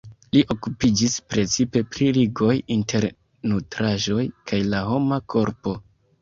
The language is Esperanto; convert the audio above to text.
Li okupiĝis precipe pri ligoj inter nutraĵoj kaj la homa korpo.